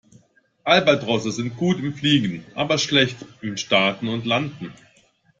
Albatrosse sind gut im Fliegen, aber schlecht im Starten und Landen.